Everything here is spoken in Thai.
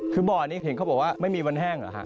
คือบ่อนี่เขาบอกว่าไม่มีวันแห้งหรือครับ